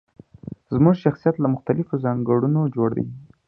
زموږ شخصيت له مختلفو ځانګړنو جوړ دی.